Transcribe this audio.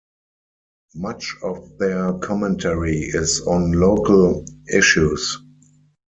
Much of their commentary is on local issues.